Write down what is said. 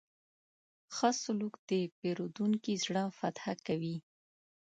ښه سلوک د پیرودونکي زړه فتح کوي.